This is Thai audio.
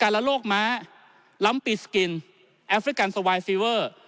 ละโลกม้าล้ำปีสกินแอฟริกันสวายฟีเวอร์